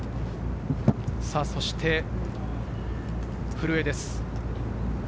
そして古江です。